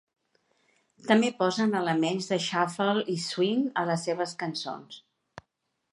També posen elements de shuffle i swing a les seves cançons.